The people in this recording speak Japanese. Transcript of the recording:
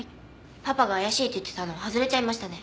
パパが怪しいって言ってたの外れちゃいましたね。